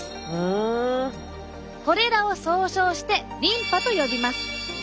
これらを総称してリンパと呼びます。